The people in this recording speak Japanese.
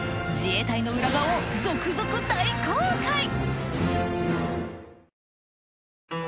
自衛隊の裏側を続々大公開！